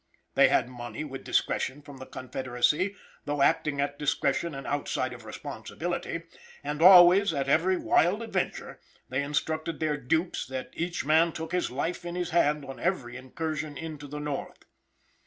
They had money with discretion from the confederacy, though acting at discretion and outside of responsibility, and always, at every wild adventure, they instructed their dupes that each man took his life in his hand on every incursion into the north.